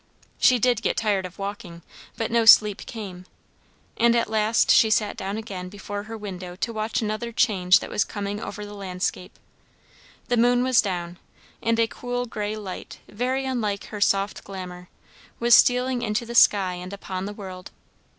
She did get tired of walking, but no sleep came; and at last she sat down again before her window to watch another change that was coming over the landscape. The moon was down, and a cool grey light, very unlike her soft glamour, was stealing into the sky and upon the world.